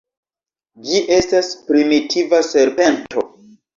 Ĝi estas primitiva serpento.